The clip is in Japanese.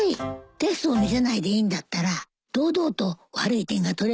テストを見せないでいいんだったら堂々と悪い点が取れるわね。